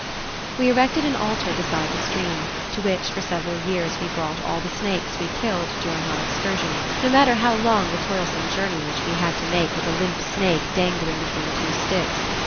We erected an altar beside the stream, to which for several years we brought all the snakes we killed during our excursions, no matter how long the toil some journey which we had to make with a limp snake dangling between two sticks.